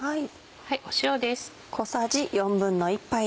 塩です。